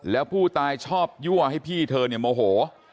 แล้วผู้ตายชอบยั่วให้พี่เธอเนี่ยโมโห